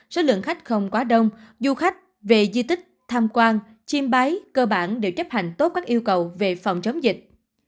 số lượng khách không quá đông du khách về di tích tham quan chiêm bái cơ bản đều chấp hành tốt các yêu cầu về phòng chống dịch